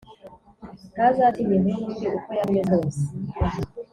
ntazatinya inkuru mbi uko yaba imeze kose